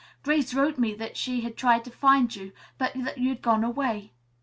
Grace wrote me that she had tried to find you, but that you'd gone away."